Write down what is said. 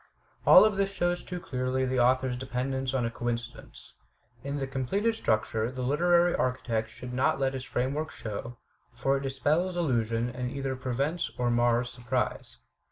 All of this shows too clearly the author's dependence on a coincidence. In the completed structure the literary archi tect should not let his framework show, for it dispels illusion and either prevents or mars surprise.